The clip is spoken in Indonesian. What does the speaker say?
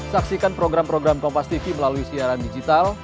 saksikan program program kompastv melalui siaran digital